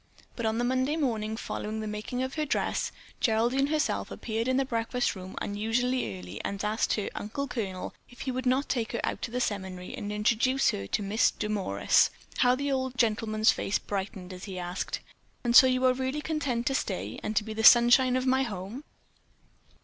But on the Monday morning following the making of her dress, Geraldine herself appeared in the breakfast room unusually early and asked her "uncle colonel" if he would not take her out to the seminary and introduce her to Miss Demorest. How the old gentleman's face brightened as he asked: "And so you are really content to stay and be the sunshine of my home?"